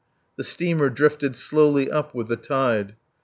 The steamer drifted slowly up with the tide.